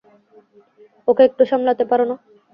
ওকে একটু সামলাতে পারো না?